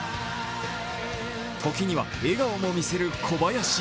時には笑顔も見せる小林。